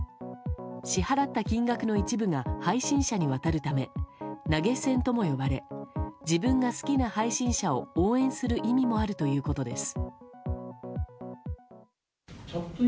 支払った金額の一部が配信者に渡るため投げ銭とも呼ばれ自分が好きな配信者を応援する意味もあるということです。